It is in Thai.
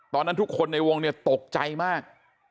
ตอนนั้นทุกคนในวงเนี่ยตกใจมาก